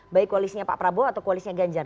baik koalisinya pak prabowo atau koalisinya ganjar